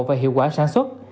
và hiệu quả sản xuất